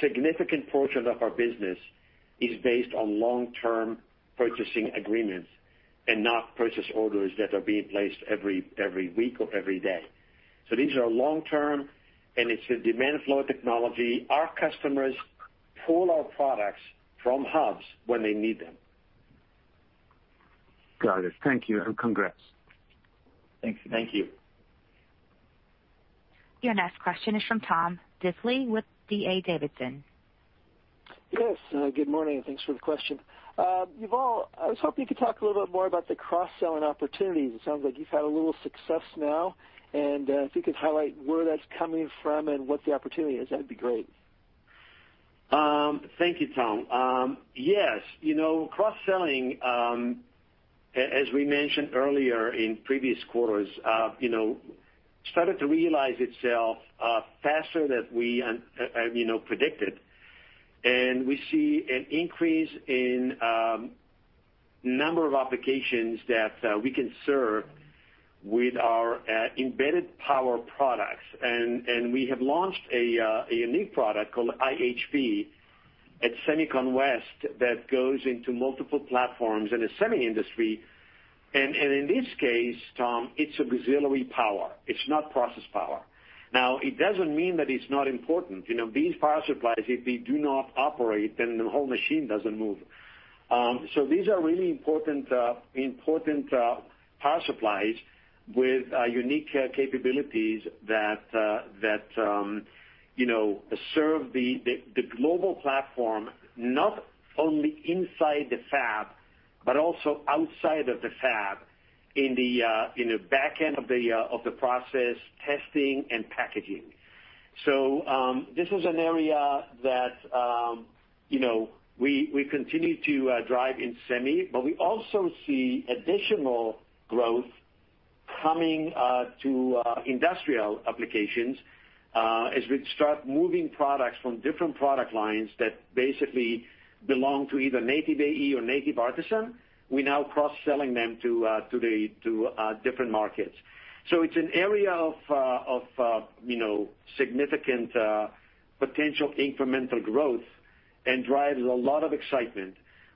significant portion of our business is based on long-term purchasing agreements and not purchase orders that are being placed every week or every day. These are long-term, and it's a demand flow technology. Our customers pull our products from hubs when they need them. Got it. Thank you, and congrats. Thank you. Thank you Your next question is from Tom Diffely with D.A. Davidson. Yes. Good morning, and thanks for the question. Yuval, I was hoping you could talk a little bit more about the cross-selling opportunities. It sounds like you've had a little success now. If you could highlight where that's coming from and what the opportunity is, that'd be great. Thank you, Tom. Yes. Cross-selling, as we mentioned earlier in previous quarters, started to realize itself faster than we predicted. We see an increase in number of applications that we can serve with our embedded power products. We have launched a unique product called iHP at SEMICON West that goes into multiple platforms in the semi-industry, and in this case, Tom, it's auxiliary power. It's not process power. Now, it doesn't mean that it's not important. These power supplies, if they do not operate, the whole machine doesn't move. These are really important power supplies with unique capabilities that serve the global platform, not only inside the fab, but also outside of the fab in the back end of the process, testing, and packaging. This is an area that we continue to drive in semi, but we also see additional growth coming to industrial applications, as we start moving products from different product lines that basically belong to either native AE or native Artesyn. We're now cross-selling them to different markets. It's an area of significant potential incremental growth and drives a lot of excitement.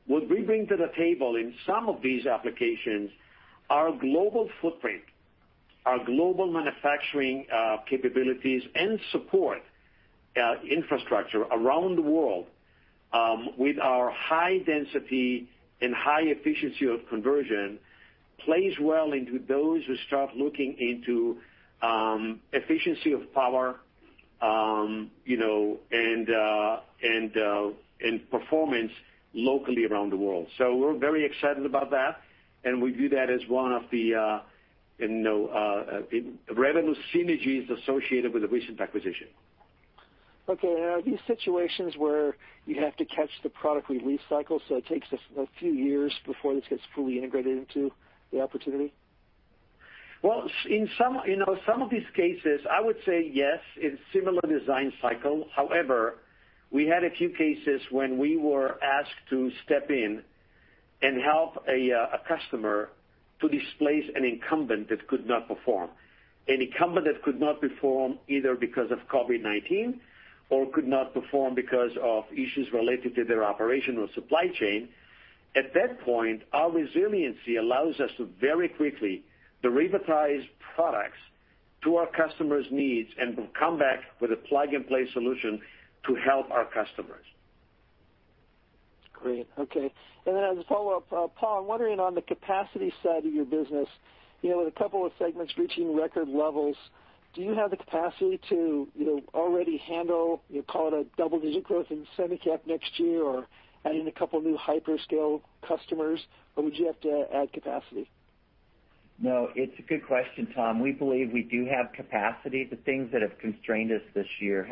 What we bring to the table in some of these applications are global footprint, are global manufacturing capabilities, and support infrastructure around the world, with our high density and high efficiency of conversion, plays well into those who start looking into efficiency of power, and performance locally around the world. We're very excited about that, and we view that as one of the revenue synergies associated with the recent acquisition. Okay. Are these situations where you have to catch the product release cycle, so it takes a few years before this gets fully integrated into the opportunity? Well, in some of these cases, I would say yes, in similar design cycle. However, we had a few cases when we were asked to step in and help a customer to displace an incumbent that could not perform. An incumbent that could not perform either because of COVID-19 or could not perform because of issues related to their operational supply chain. At that point, our resiliency allows us to very quickly repacketize products to our customers' needs and come back with a plug-and-play solution to help our customers. Great. Okay. As a follow-up, Paul, I'm wondering on the capacity side of your business, with a couple of segments reaching record levels, do you have the capacity to already handle, call it a double-digit growth in semi cap next year, or adding a couple new hyperscale customers, or would you have to add capacity? No. It's a good question, Tom. We believe we do have capacity. The things that have constrained us this year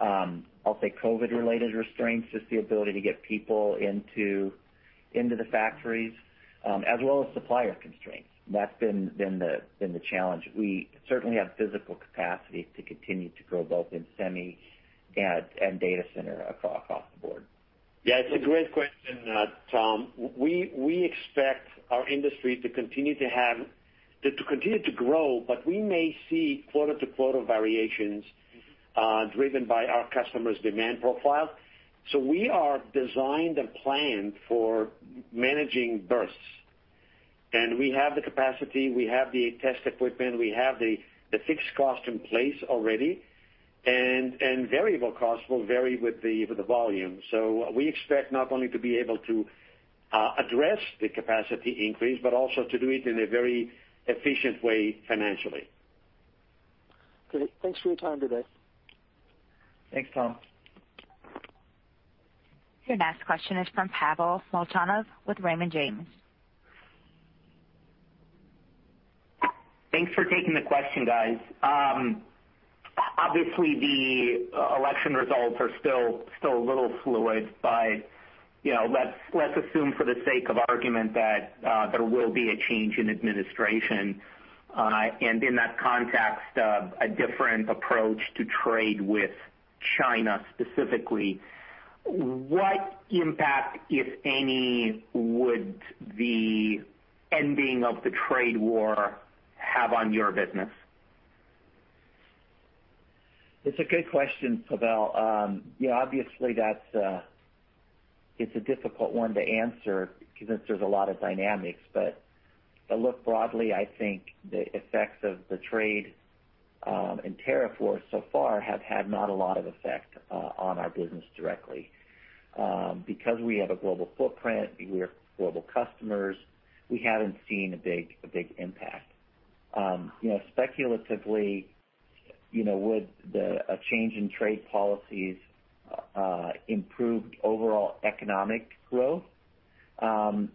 have been, I'll say, COVID-related restraints, just the ability to get people into the factories, as well as supplier constraints. That's been the challenge. We certainly have physical capacity to continue to grow both in semi and data center across the board. Yeah, it's a great question, Tom. We expect our industry to continue to grow, but we may see quarter-to-quarter variations driven by our customers' demand profile. We are designed and planned for managing bursts, and we have the capacity, we have the test equipment, we have the fixed cost in place already, and variable costs will vary with the volume. We expect not only to be able to address the capacity increase, but also to do it in a very efficient way financially. Great. Thanks for your time today. Thanks, Tom. Your next question is from Pavel Molchanov with Raymond James. Thanks for taking the question, guys. Obviously, the election results are still a little fluid, but let's assume for the sake of argument that there will be a change in administration, and in that context, a different approach to trade with China specifically. What impact, if any, would the ending of the trade war have on your business? It's a good question, Pavel. Obviously, it's a difficult one to answer because there's a lot of dynamics. If I look broadly, I think the effects of the trade and tariff wars so far have had not a lot of effect on our business directly. Because we have a global footprint, we have global customers, we haven't seen a big impact. Speculatively, would a change in trade policies improve overall economic growth, and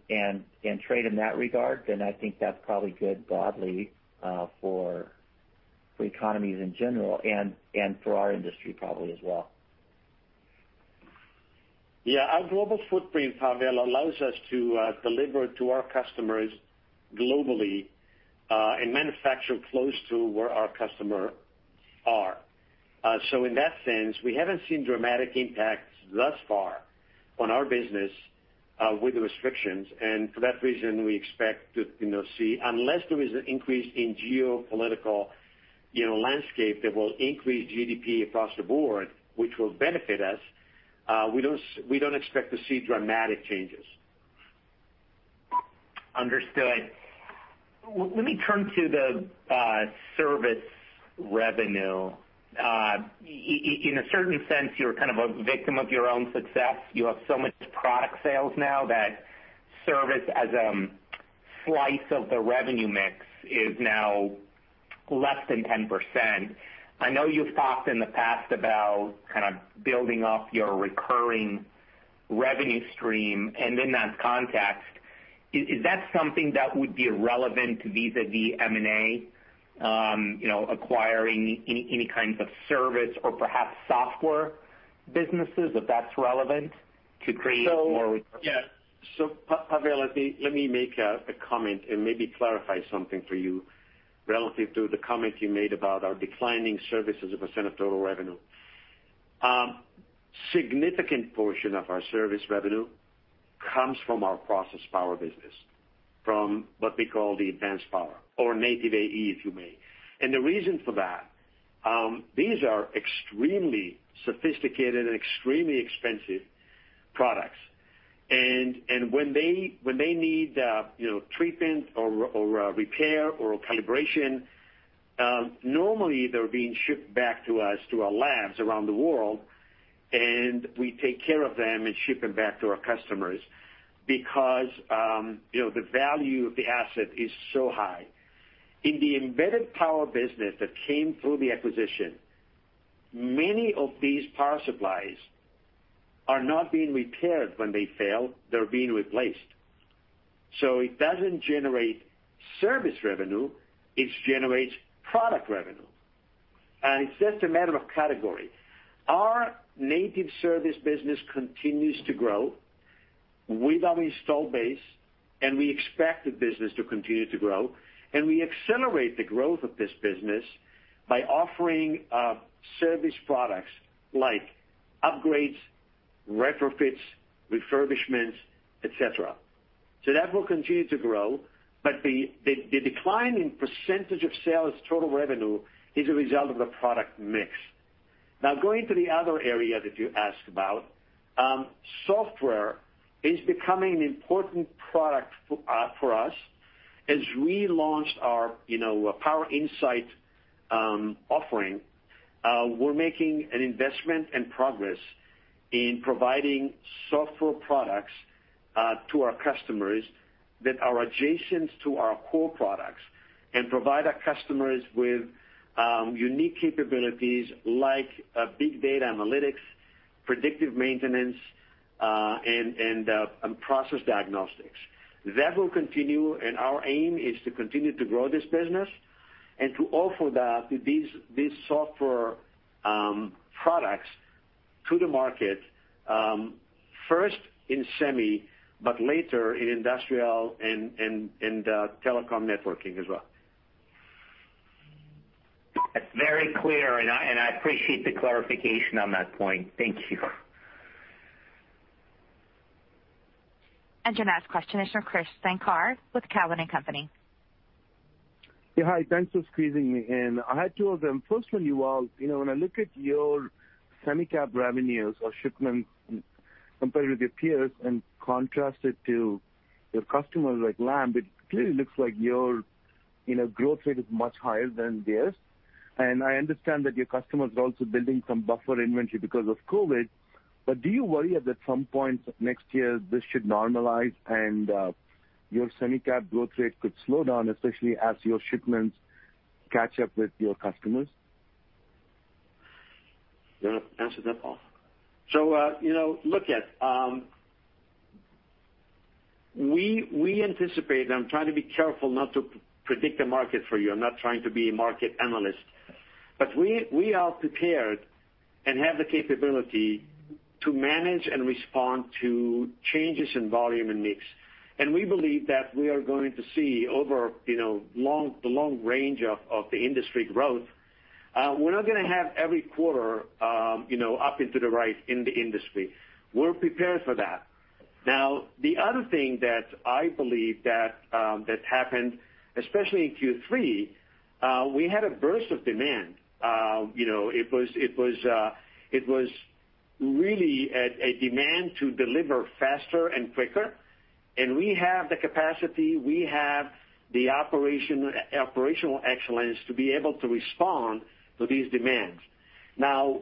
trade in that regard? I think that's probably good broadly for economies in general and for our industry probably as well. Our global footprint, Pavel, allows us to deliver to our customers globally and manufacture close to where our customer are. In that sense, we haven't seen dramatic impacts thus far on our business with the restrictions, and for that reason, we expect to see, unless there is an increase in geopolitical landscape that will increase GDP across the board, which will benefit us, we don't expect to see dramatic changes. Understood. Let me turn to the service revenue. In a certain sense, you're kind of a victim of your own success. You have so much product sales now that service as a slice of the revenue mix is now less than 10%. I know you've talked in the past about kind of building up your recurring revenue stream. In that context, is that something that would be relevant vis-à-vis M&A, acquiring any kinds of service or perhaps software businesses, if that's relevant? Pavel, let me make a comment and maybe clarify something for you relative to the comment you made about our declining services as a percent of total revenue. Significant portion of our service revenue comes from our process power business, from what we call the Advanced Energy or native AE, if you may. The reason for that, these are extremely sophisticated and extremely expensive products. When they need treatment or repair or calibration, normally they're being shipped back to us, to our labs around the world, and we take care of them and ship them back to our customers because the value of the asset is so high. In the embedded power business that came through the acquisition, many of these power supplies are not being repaired when they fail, they're being replaced. It doesn't generate service revenue, it generates product revenue. It's just a matter of category. Our native service business continues to grow with our install base, and we expect the business to continue to grow, and we accelerate the growth of this business by offering service products like upgrades, retrofits, refurbishments, et cetera. That will continue to grow, but the decline in percentage of sales total revenue is a result of the product mix. Now, going to the other area that you asked about, software. It's becoming an important product for us. As we launched our PowerInsight offering, we're making an investment and progress in providing software products to our customers that are adjacent to our core products and provide our customers with unique capabilities like big data analytics, predictive maintenance, and process diagnostics. That will continue. Our aim is to continue to grow this business and to offer these software products to the market, first in semi, but later in industrial and telecom networking as well. That's very clear, and I appreciate the clarification on that point. Thank you. Your next question is from Krish Sankar with Cowen and Company. Yeah, hi. Thanks for squeezing me in. I had two of them. First one, Yuval, when I look at your semi cap revenues or shipments compared with your peers and contrast it to your customers like Lam, it clearly looks like your growth rate is much higher than theirs. I understand that your customers are also building some buffer inventory because of COVID. Do you worry that at some point next year, this should normalize and your semi cap growth rate could slow down, especially as your shipments catch up with your customers? You want to answer that, Paul? Look, we anticipate, I'm trying to be careful not to predict the market for you. I'm not trying to be a market analyst. We are prepared and have the capability to manage and respond to changes in volume and mix. We believe that we are going to see over the long range of the industry growth, we're not going to have every quarter up into the right in the industry. We're prepared for that. Now, the other thing that I believe that happened, especially in Q3, we had a burst of demand. It was really a demand to deliver faster and quicker, and we have the capacity, we have the operational excellence to be able to respond to these demands. Now,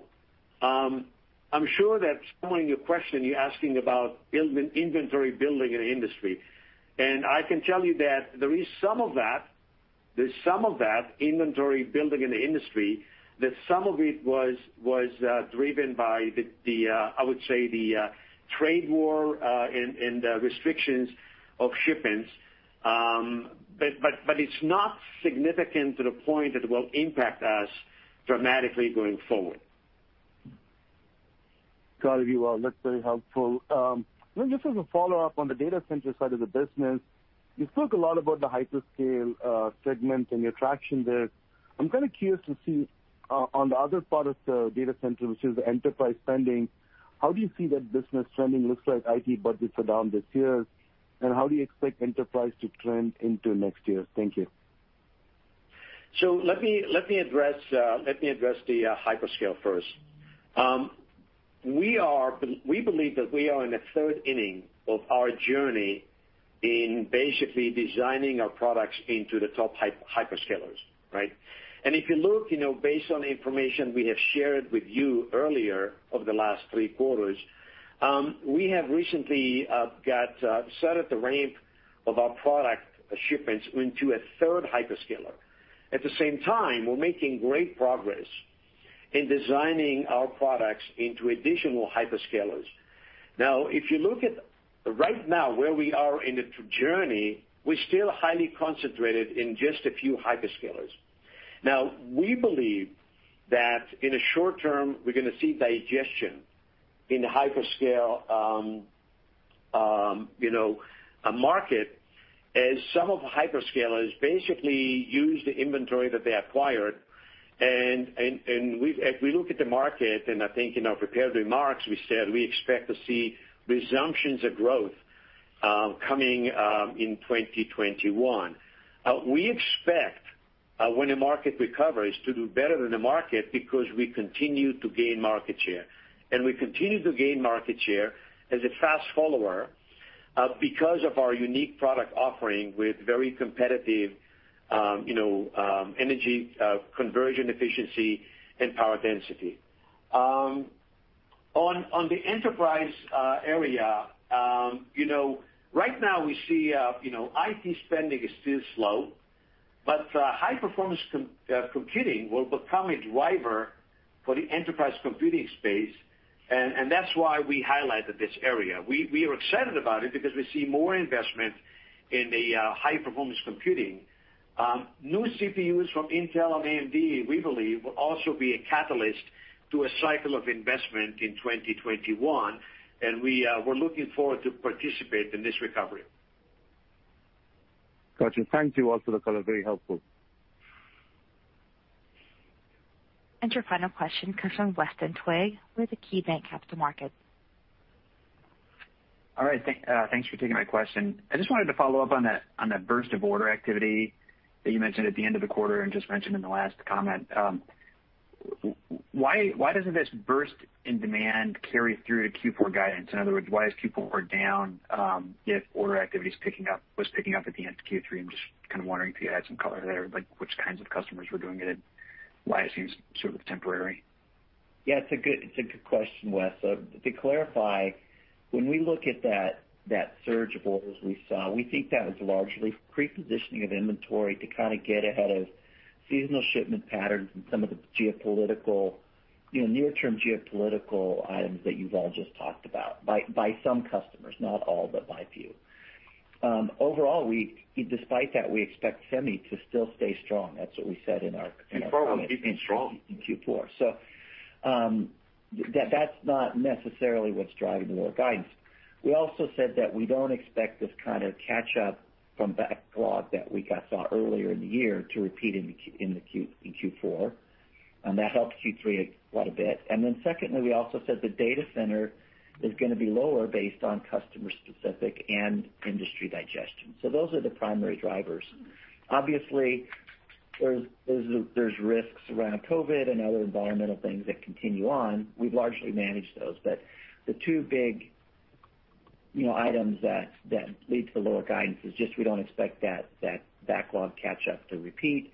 I'm sure that somewhere in your question, you're asking about inventory building in the industry. I can tell you that there is some of that inventory building in the industry, that some of it was driven by, I would say, the trade war, and the restrictions of shipments. It's not significant to the point that it will impact us dramatically going forward. Got it, Yuval. That's very helpful. Just as a follow-up on the data center side of the business, you spoke a lot about the hyperscale segment and your traction there. I'm kind of curious to see on the other part of the data center, which is the enterprise spending, how do you see that business trending? Looks like IT budgets are down this year. How do you expect enterprise to trend into next year? Thank you. Let me address the hyperscale first. We believe that we are in the third inning of our journey in basically designing our products into the top hyperscalers. Right? If you look, based on the information we have shared with you earlier over the last three quarters, we have recently set at the ramp of our product shipments into a third hyperscaler. At the same time, we're making great progress in designing our products into additional hyperscalers. If you look at right now where we are in the journey, we're still highly concentrated in just a few hyperscalers. Now, we believe that in the short term, we're going to see digestion in the hyperscale market as some of the hyperscalers basically use the inventory that they acquired, and if we look at the market, and I think in our prepared remarks, we said we expect to see resumptions of growth coming in 2021. We expect, when the market recovers, to do better than the market because we continue to gain market share, and we continue to gain market share as a fast follower because of our unique product offering with very competitive energy conversion efficiency and power density. On the enterprise area, right now we see IT spending is still slow, but high-performance computing will become a driver for the enterprise computing space, and that's why we highlighted this area. We are excited about it because we see more investment in the high-performance computing. New CPUs from Intel and AMD, we believe, will also be a catalyst to a cycle of investment in 2021, and we're looking forward to participate in this recovery. Got you. Thank you, Yuval, for the color. Very helpful. Your final question comes from Weston Twigg with KeyBanc Capital Markets. All right. Thanks for taking my question. I just wanted to follow up on that burst of order activity that you mentioned at the end of the quarter and just mentioned in the last comment. Why doesn't this burst in demand carry through to Q4 guidance? In other words, why is Q4 down if order activity was picking up at the end of Q3? I'm just kind of wondering if you had some color there, like which kinds of customers were doing it, and why it seems sort of temporary. Yeah, it's a good question, Wes. To clarify, when we look at that surge of orders we saw, we think that was largely pre-positioning of inventory to kind of get ahead of seasonal shipment patterns and some of the near-term geopolitical items that Yuval just talked about, by some customers. Not all, but by a few. Overall, despite that, we expect semi to still stay strong. That's what we said in our comments in Q4. Q4 was keeping strong. That's not necessarily what's driving the lower guidance. We also said that we don't expect this kind of catch-up from backlog that we saw earlier in the year to repeat in Q4. That helped Q3 quite a bit. Secondly, we also said the data center is going to be lower based on customer-specific and industry digestion. Those are the primary drivers. Obviously, there's risks around COVID-19 and other environmental things that continue on. We've largely managed those. The two big items that lead to the lower guidance is just we don't expect that backlog catch-up to repeat,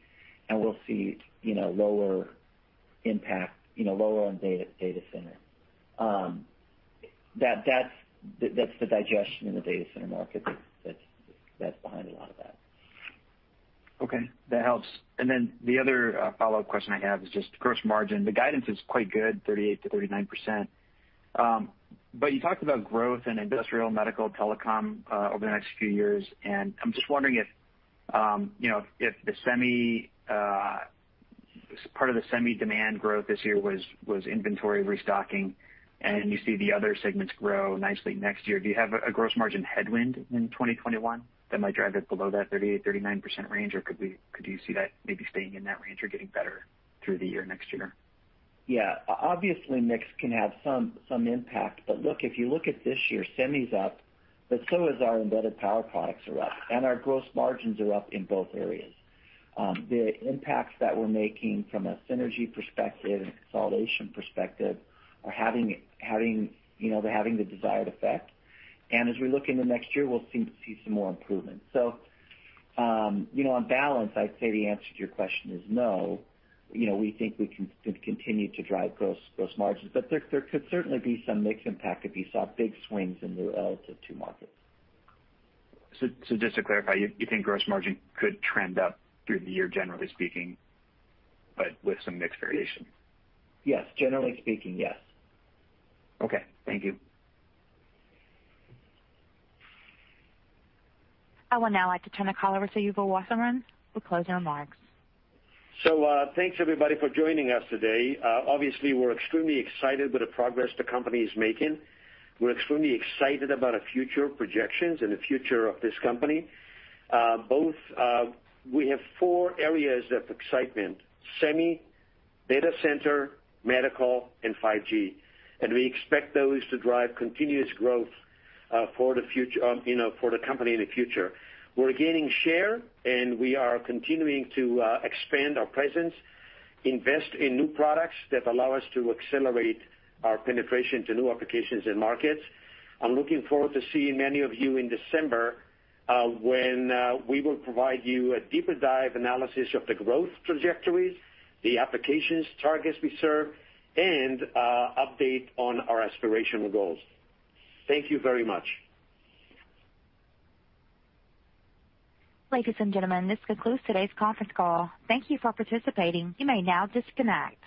and we'll see lower on data center. That's the digestion in the data center market that's behind a lot of that. Okay, that helps. The other follow-up question I have is just gross margin. The guidance is quite good, 38%-39%, but you talked about growth in industrial, medical, telecom over the next few years, and I'm just wondering if part of the semi demand growth this year was inventory restocking, and you see the other segments grow nicely next year. Do you have a gross margin headwind in 2021 that might drive it below that 38%-39% range, or could you see that maybe staying in that range or getting better through the year next year? Obviously, mix can have some impact. Look, if you look at this year, semi's up, but so is our Embedded Power products are up, and our gross margins are up in both areas. The impacts that we're making from a synergy perspective and consolidation perspective, they're having the desired effect. As we look into next year, we'll seem to see some more improvement. On balance, I'd say the answer to your question is no. We think we can continue to drive gross margins. There could certainly be some mix impact if you saw big swings in the relative two markets. Just to clarify, you think gross margin could trend up through the year, generally speaking, but with some mix variation? Yes. Generally speaking, yes. Okay. Thank you. I would now like to turn the call over to Yuval Wasserman for closing remarks. Thanks everybody for joining us today. Obviously, we're extremely excited with the progress the company is making. We're extremely excited about our future projections and the future of this company. We have four areas of excitement, semi, data center, medical, and 5G, and we expect those to drive continuous growth for the company in the future. We're gaining share, and we are continuing to expand our presence, invest in new products that allow us to accelerate our penetration to new applications and markets. I'm looking forward to seeing many of you in December, when we will provide you a deeper dive analysis of the growth trajectories, the applications targets we serve, and update on our aspirational goals. Thank you very much. Ladies and gentlemen, this concludes today's conference call. Thank you for participating. You may now disconnect.